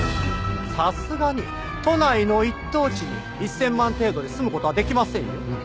さすがに都内の一等地に１０００万程度で住む事はできませんよ。